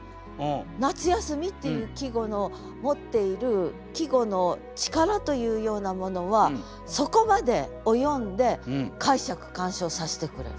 「夏休」っていう季語の持っている季語の力というようなものはそこまで及んで解釈鑑賞させてくれる。